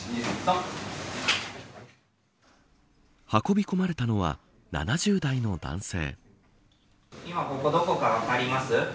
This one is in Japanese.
運び込まれたのは７０代の男性。